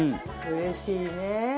うれしいね。